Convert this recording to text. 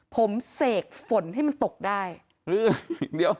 ผมเสกฝนให้มันตกได้